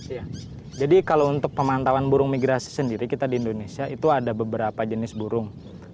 iya jadi kalau untuk pemantauan burung migrasi sendiri kita di indonesia itu ada beberapa jenis burung